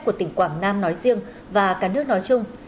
của tỉnh quảng nam nói riêng và cả nước nói chung